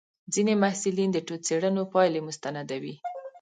ځینې محصلین د څېړنو پایلې مستندوي.